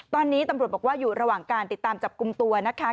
ตอนนี้ตำรวจบอกว่าอยู่ระหว่างการติดตามจับกลุ่มตัวนะคะ